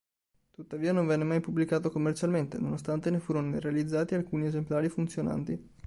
Tuttavia non venne mai pubblicato commercialmente, nonostante ne furono realizzati alcuni esemplari funzionanti.